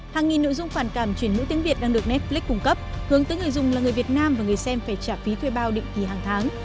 hàng nghìn nội dung phản cảm chuyển mũi tiếng việt đang được netflix cung cấp hướng tới người dùng là người việt nam và người xem phải trả phí thuê bao định kỳ hàng tháng